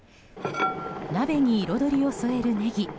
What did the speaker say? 鍋に彩りを添えるネギ。